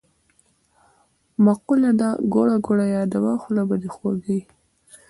مقوله ده: ګوړه ګوړه یاده وه خوله به دی خوږه وي.